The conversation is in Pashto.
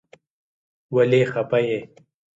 ولې خفه يې.